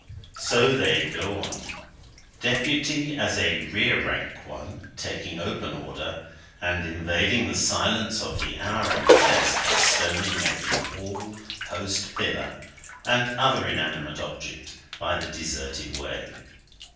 So they go on; Deputy, as a rear rank one, taking open order, and invading the silence of the hour and place by stoning every wall, post, pillar, and other inanimate object, by the deserted way.